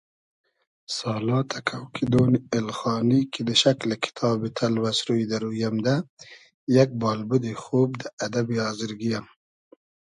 سالا تئکۆ کیدۉن اېلخانی کی دۂ شئکلی کیتابی تئلوئس روی دۂ روی امدۂ، یئگ بالبودی خوب دۂ ادئبی آزرگی یۂ